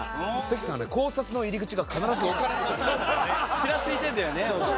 チラついてるんだよね。